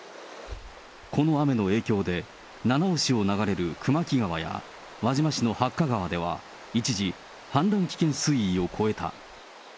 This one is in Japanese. この雨の影響で、七尾市を流れる熊木川や輪島市の八ヶ川では、一時氾濫危険水位を超えた。